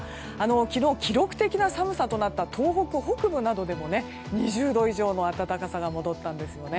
昨日、記録的な寒さとなった東北北部などでも２０度以上の暖かさが戻ったんですよね。